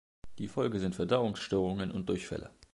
Die Folge sind Verdauungsstörungen und Durchfälle.